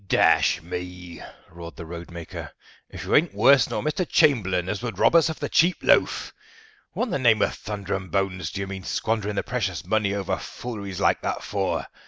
"Dash me," roared the roadmaker, "if you ain't worse nor Mr. Chamberlain, as would rob us of the cheap loaf! What in the name of Thunder and Bones do you mean squandering the precious money over fooleries like that for?